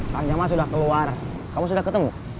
kang jaman sudah keluar kamu sudah ketemu